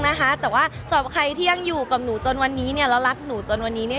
นะคะแต่ว่าสำหรับใครที่ยังอยู่กับหนูจนวันนี้เนี่ยแล้วรักหนูจนวันนี้เนี่ย